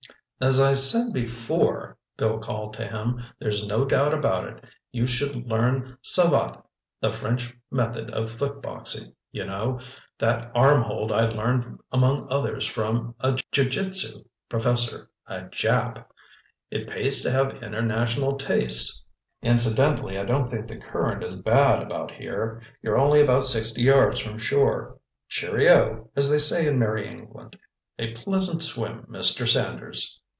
"As I said before," Bill called to him, "there's no doubt about it. You should learn savatte—the French method of foot boxing, you know. That arm hold I learned among others from a jiu jitsu professor—a Jap. It pays to have international tastes. Incidentally I don't think the current is bad about here. You're only about sixty yards from shore. Cheerio—as they say in Merry England. A pleasant swim, Mister Sanders!"